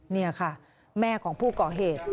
เนี้ยแหละค่ะแม่ของผู้เกาะเหตุ